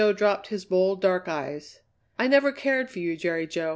'"] Jerry Jo dropped his bold, dark eyes. "I never cared for you, Jerry Jo.